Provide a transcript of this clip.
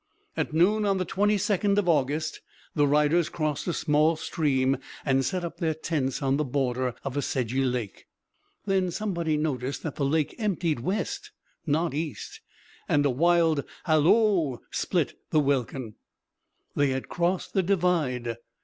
At noon on the 22nd of August the riders crossed a small stream and set up their tents on the border of a sedgy lake. Then somebody noticed that the lake emptied west, not east; and a wild halloo split the welkin. They had crossed the Divide.